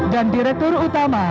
dan direktur utama